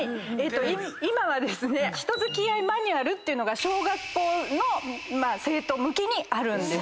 今はですね人付き合いマニュアルっていうのが小学校の生徒向きにあるんです。